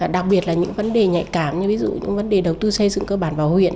đặc biệt là những vấn đề nhạy cảm như ví dụ những vấn đề đầu tư xây dựng cơ bản vào huyện